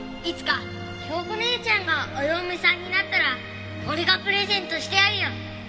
いつか京子姉ちゃんがお嫁さんになったら俺がプレゼントしてやるよ。